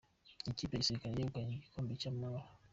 Ikipe yagisirikare yegukanye igikombe cya amahoro